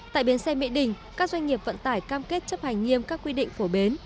tại bến xe mỹ đình các doanh nghiệp vận tải cam kết chấp hành nghiêm các quy định phổ biến